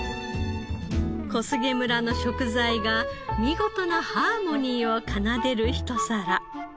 小菅村の食材が見事なハーモニーを奏でる一皿。